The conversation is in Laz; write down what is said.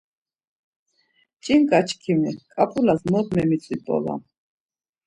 Ç̌inkaçkimi, ǩapulas mot memitzip̌olam.